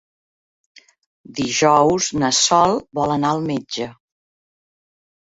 Dijous na Sol vol anar al metge.